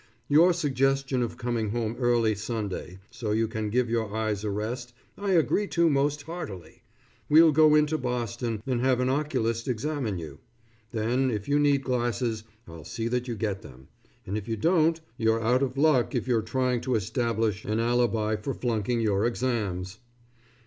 Your suggestion of coming home early Sunday, so you can give your eyes a rest, I agree to most heartily. We'll go into Boston and have an oculist examine you. Then if you need glasses, I'll see that you get them, and if you don't, you're out of luck if you're trying to establish an alibi for flunking your exams.